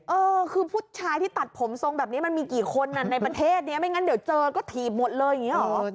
เออคือผู้ชายที่ตัดผมทรงแบบนี้มันมีกี่คนในประเทศนี้ไม่งั้นเดี๋ยวเจอก็ถีบหมดเลยอย่างนี้หรอ